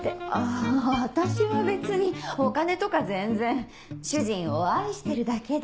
あ私は別にお金とか全然主人を愛してるだけで。